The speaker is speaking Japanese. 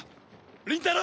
倫太郎！